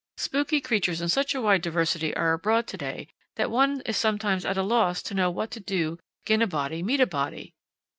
Spooky creatures in such a wide diversity are abroad to day that one is sometimes at a loss to know what to do "gin a body meet a body."